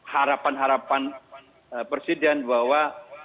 harapan harapan presiden bahwa